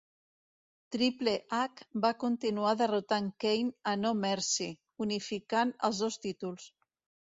Triple H va continuar derrotant Kane a No Mercy, unificant els dos títols.